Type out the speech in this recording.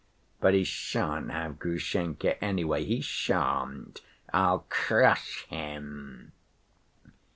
But he shan't have Grushenka, anyway, he shan't! I'll crush him!"